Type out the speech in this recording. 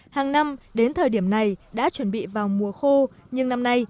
hàng năm đến thời điểm này đã chuẩn bị vào mùa khô nhưng năm nay